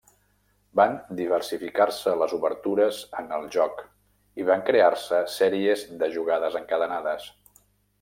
Van diversificar-se les obertures en el joc i van crear-se sèries de jugades encadenades.